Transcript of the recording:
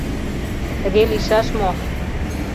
Тыге лийшаш мо?